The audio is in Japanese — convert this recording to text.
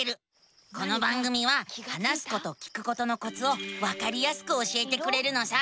この番組は話すこと聞くことのコツをわかりやすく教えてくれるのさ。